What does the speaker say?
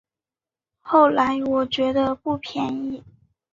后来我觉得不便宜